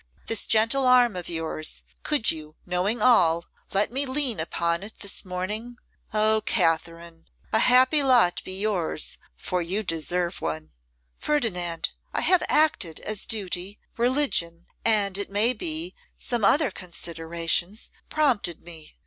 This gentle arm of yours; could you, knowing all, let me lean upon it this morning? O Katherine! a happy lot be yours, for you deserve one!' 'Ferdinand, I have acted as duty, religion, and it may be, some other considerations prompted me.